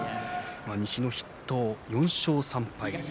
西の筆頭、４勝３敗。